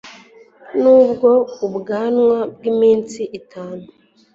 nubwo ubwanwa bwiminsi itanu